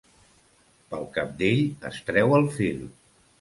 Pel cabdell es treu el fil.